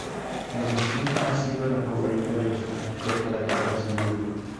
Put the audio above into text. La canción ha sido la favorita de los fanáticos para tocarse en vivo.